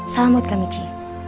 salam buat kak michi